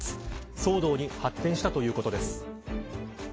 騒動に発展したということです。